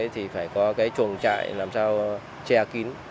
thì phải có chuồng trại làm sao che kín